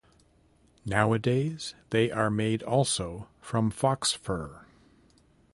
Nowadays they are made also from fox fur.